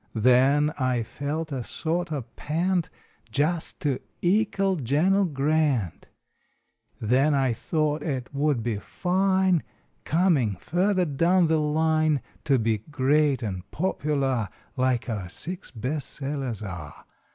Then I felt a sort o pant Jest to ekal Gen l Grant. Then I thought it would be fine Comin further down the line, To be great and popular Like our Six Best Sellers are.